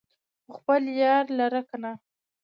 خو خپل يار لره کنه